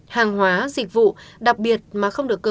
hàng hóa dịch vụ đặc biệt mà không được cơ sở